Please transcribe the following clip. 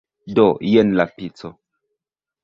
Do, jen la pico